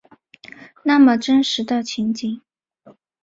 那么真实的情景